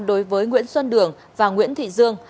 đối với nguyễn xuân đường và nguyễn thị dương